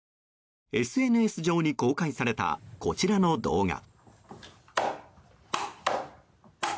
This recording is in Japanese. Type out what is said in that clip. ＳＮＳ上に公開されたこちらの動画。